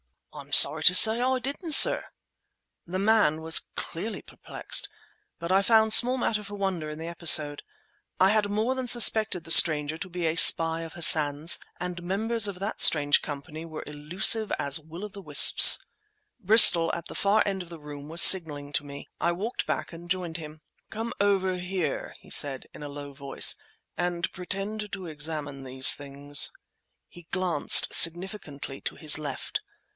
"I'm sorry to say I didn't, sir." The man clearly was perplexed, but I found small matter for wonder in the episode. I had more than suspected the stranger to be a spy of Hassan's, and members of that strange company were elusive as will o' the wisps. Bristol, at the far end of the room, was signalling to me. I walked back and joined him. "Come over here," he said, in a low voice, "and pretend to examine these things." He glanced significantly to his left.